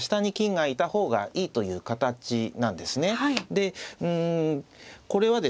でうんこれはですね